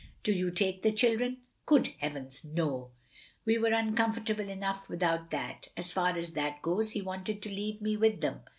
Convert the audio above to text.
" "Did you take the children?" "Good heavens, no, we were uncomfortable enough without that. As far as that goes, he wanted to leave me with them.